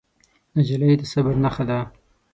نجلۍ د صبر نښه ده.